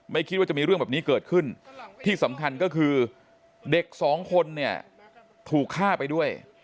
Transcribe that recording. คิดว่าจะมีเรื่องแบบนี้เกิดขึ้นที่สำคัญก็คือเด็กสองคนเนี่ยถูกฆ่าไปด้วย